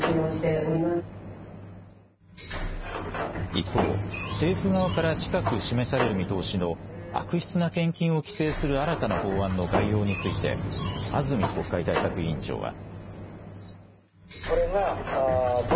一方、政府側から近く示される見通しの悪質な献金を規制する新たな法案の概要について安住国会対策委員長は。